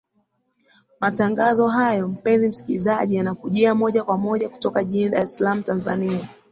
matangazo hayo mpenzi msikilizaji yanakujia moja kwa moja kutoka jijini dar es salam tanzania